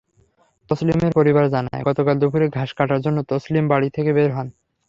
তসলিমের পরিবার জানায়, গতকাল দুপুরে ঘাস কাটার জন্য তসলিম বাড়ি থেকে বের হন।